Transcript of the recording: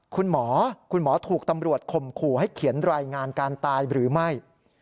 คุณหมอคุณหมอถูกตำรวจข่มขู่ให้เขียนรายงานการตายหรือไม่